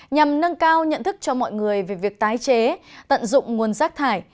nhằm nâng cao nhận thức cho mọi người về việc tái chế tận dụng nguồn rác thải